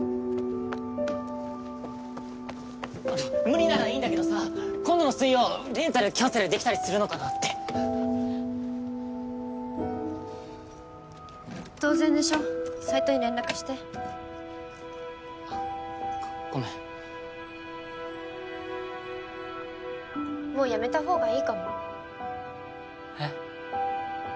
無理ならいいんだけどさ今度の水曜レンタルキャンセルできたりするのかなって当然でしょサイトに連絡してごめんもうやめたほうがいいかもえっ？